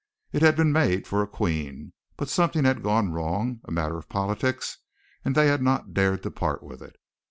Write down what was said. It had been made for a queen, but something had gone wrong a matter of politics and they had not dared to part with it.